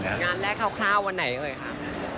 งานแรกคร่าววันไหนเลยครับ